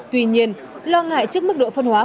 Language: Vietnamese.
tuy nhiên lo ngại trước mức độ phân hóa